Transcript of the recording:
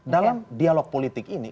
dalam dialog politik ini